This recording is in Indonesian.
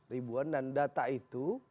ribuan dan data itu